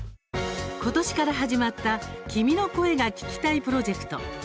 今年から始まった君の声が聴きたいプロジェクト。